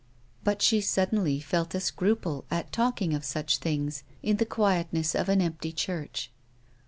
But she suddenly felt a scruple at talking of such things in the quietness of an empty church.